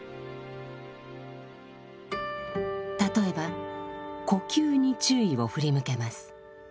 例えば呼吸に注意を振り向けます。